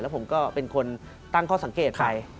ผมก็เป็นคนตั้งข้อสังเกตไป